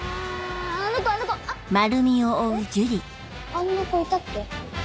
あんな子いたっけ。